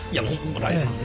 村井さんね